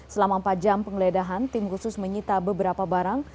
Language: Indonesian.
selama empat jam penggeledahan tim khusus menyita beberapa barang